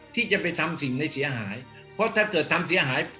ที่จะไปทำสิ่งในเสียหายเพราะถ้าเกิดทำเสียหาย